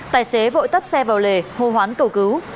tài xế vội tấp xe vào lề hô hoán cầu cứu